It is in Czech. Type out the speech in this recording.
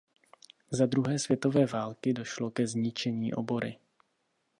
Za druhé světové války došlo ke zničení obory.